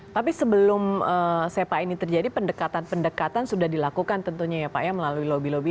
tapi sebelum sepa ini terjadi pendekatan pendekatan sudah dilakukan tentunya ya pak ya melalui lobby lobby